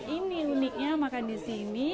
ini uniknya makan di sini